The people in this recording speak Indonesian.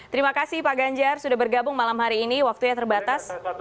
terima kasih pak ganjar sudah bergabung malam hari ini waktunya terbatas